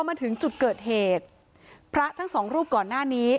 มาถึงจุดเกิดเหตุพระทั้งสองรูปก่อนหน้านี้